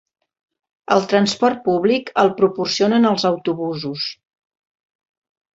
El transport públic el proporcionen els autobusos.